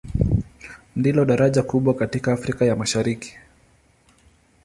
Ndilo daraja kubwa katika Afrika ya Mashariki.